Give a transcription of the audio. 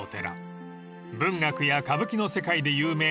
［文学や歌舞伎の世界で有名な『曽我物語』］